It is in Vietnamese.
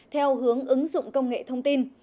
theo hướng ứng dụng công nghệ thông tin